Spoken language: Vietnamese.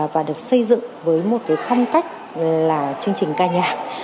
và được xây dựng với một cái phong cách là chương trình ca nhạc